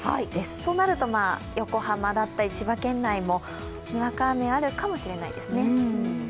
そうなると横浜だったり千葉県内もにわか雨があるかもしれないです。